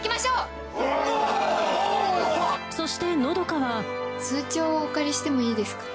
そして和佳は通帳をお借りしてもいいですか？